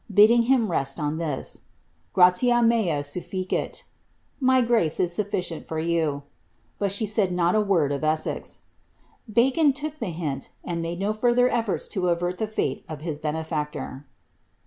bidding him rest on this, ''gratia mea suJicW'' —" my grace is sufficieoi for you" — but she said not a word of Essex. Bacon look ihe him, and made no further efTorls to avert the fate of his benefactor.